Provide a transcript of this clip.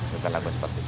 kita lakukan seperti itu